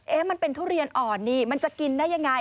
มันเป็นทุเรียนอ่อนนี่มันจะกินได้ยังไง